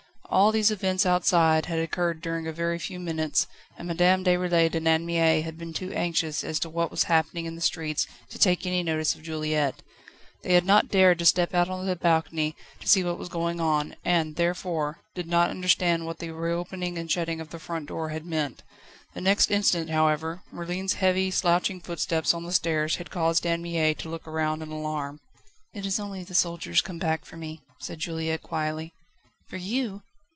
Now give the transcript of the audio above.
All these events outside had occurred during a very few minutes, and Madame Déroulède and Anne Mie had been too anxious as to what was happening in the streets, to take any notice of Juliette. They had not dared to step out on to the balcony to see what was going on, and, therefore, did not understand what the reopening and shutting of the front door had meant. The next instant, however, Merlin's heavy, slouching footsteps on the stairs had caused Anne Mie to look round in alarm. "It is only the soldiers come back for me," said Juliette quietly. "For you?"